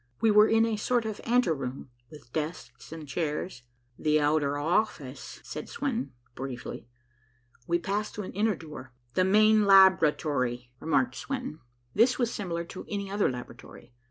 We were in a sort of anteroom, with desks and chairs. "The outer office," said Swenton briefly. We passed through an inner door. "The main laboratory," remarked Swenton. This was similar to any other laboratory.